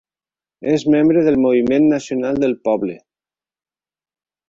És membre del Moviment Nacional del Poble.